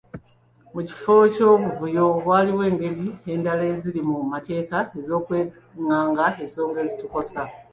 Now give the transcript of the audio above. Mu kifo ky'obuvuyo waliwo engeri endala eziri mu mateeka ez'okwanganga ensonga ezitukosa.